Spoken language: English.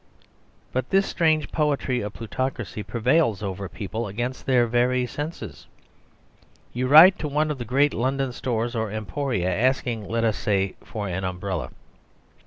But this strange poetry of plutocracy prevails over people against their very senses. You write to one of the great London stores or emporia, asking, let us say, for an umbrella.